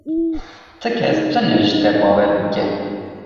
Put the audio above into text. Ti kes tune ji te bawer bike.